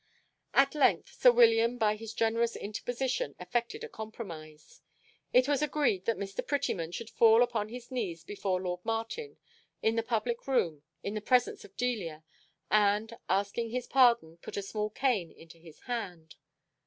At length sir William by his generous interposition affected a compromise. It was agreed that Mr. Prettyman should fall upon his knees before lord Martin in the public room in the presence of Delia, and, asking his pardon, put a small cane into his hand.